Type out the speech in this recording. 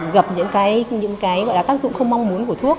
gặp những tác dụng không mong muốn của bệnh nhân